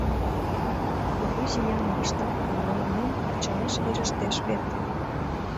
Кугу зияным ыштат гын, мыланем, э, ачалаш верештеш вет.